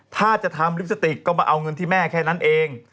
ถ้าจะทำลิปสติกก็มาเอาเงินที่แม่แค่นั้นเอง